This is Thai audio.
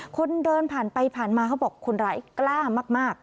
คนเดินผ่านไปผ่านมาเขาบอกคนร้ายกล้ามาก